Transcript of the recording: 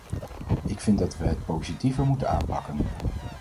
Ik vind dat we het positiever moeten aanpakken.